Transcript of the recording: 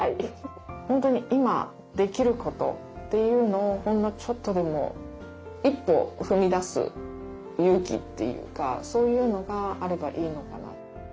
本当に今できることというのをほんのちょっとでも１歩踏み出す勇気っていうかそういうのがあればいいのかな。